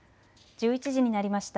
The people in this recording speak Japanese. １１時になりました。